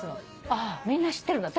あっみんな知ってるんだ。